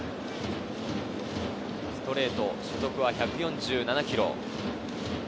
ストレート、初速は１４７キロ。